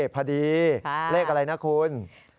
พอดีเลขอะไรนะคุณ